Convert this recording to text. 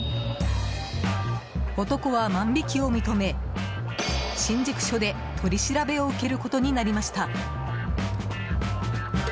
男は万引きを認め、新宿署で取り調べを受けることになりました。